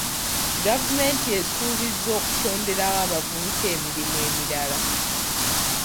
Gavumenti esuubizza okutonderawo abavubuka emirimu emirala.